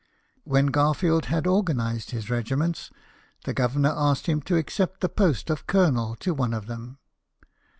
When Garfield had organized his regiments, the Governor asked him to accept the post of colonel to one of them.